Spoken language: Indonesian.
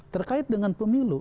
terkait dengan pemilu